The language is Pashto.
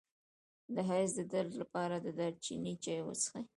د حیض د درد لپاره د دارچینی چای وڅښئ